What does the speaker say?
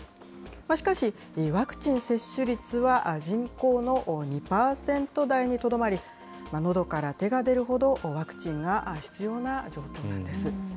しかし、ワクチン接種率は人口の２％台にとどまり、のどから手が出るほど、ワクチンが必要な状況なんです。